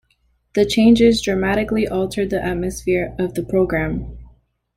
The changes dramatically altered the atmosphere of the program.